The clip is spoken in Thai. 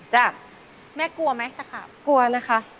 แม่กลัวไหมตะขาบกลัวนะคะ